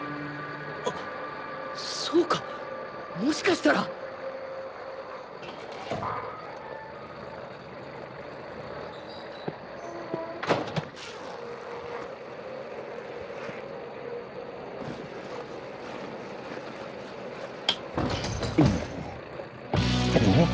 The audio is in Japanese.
あっそうかもしかしたら！うっあ！？